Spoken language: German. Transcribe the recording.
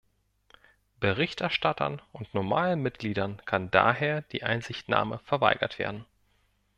Berichterstattern und normalen Mitgliedern kann daher die Einsichtnahme verweigert werden.